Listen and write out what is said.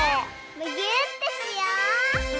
むぎゅーってしよう！